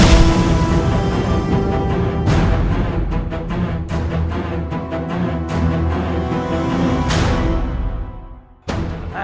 jadi aku akan tidur